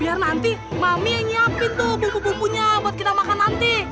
biar nanti mami yang nyiapin tuh bumbu bumbunya buat kita makan nanti